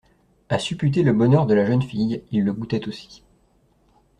A supputer le bonheur de la jeune fille, il le goûtait aussi.